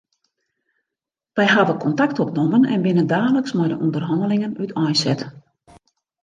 Wy hawwe kontakt opnommen en binne daliks mei de ûnderhannelingen úteinset.